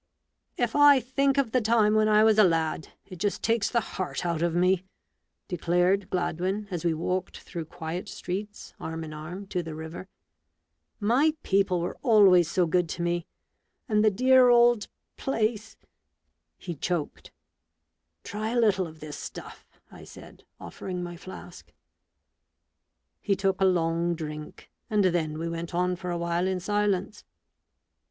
"If I think of the time when I was a lad, it just takes the heart out of me !" declared Gladwin, as we walked, through quiet streets, arm in arm to the river. " My people were always so good to me; and the dear old place —" He choked. "Try a little of this stuff," I said, offering my flask. He took a long drink; and then we went on for a while in silence.